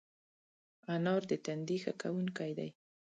انار د تندي ښه کوونکی دی.